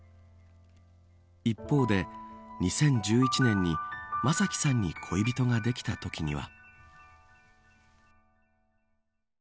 一方で２０１１年に正輝さんに恋人ができたときには。